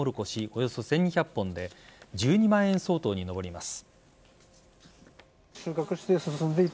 およそ１２００本で１２万円相当に上ります。